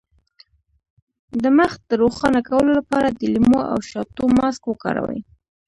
د مخ د روښانه کولو لپاره د لیمو او شاتو ماسک وکاروئ